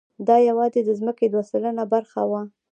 دا یواځې د ځمکې دوه سلنه برخه وه.